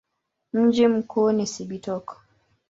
Mji mkuu ni Cibitoke.